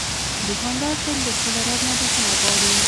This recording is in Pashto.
دوکاندار تل د خپل رب نه بخښنه غواړي.